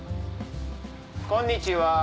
こんにちは。